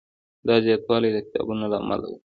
دا زیاتوالی د کتابونو له امله و.